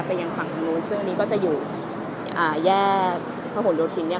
ยังฝั่งทางนู้นซึ่งอันนี้ก็จะอยู่อ่าแยกพระหลโยธินเนี่ย